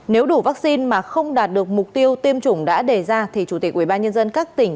nếu đủ vaccine mà không đạt được mục tiêu tiêm chủng đã đề ra thì chủ tịch ubnd các tỉnh